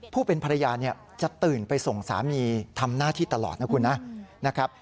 ผู้เป็นภรรยาจะตื่นไปส่งสามีทำหน้าที่ตลอดนะคุณนะครับ